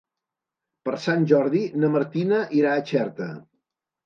Per Sant Jordi na Martina irà a Xerta.